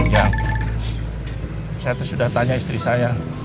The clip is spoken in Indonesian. yang saya sudah tanya istri saya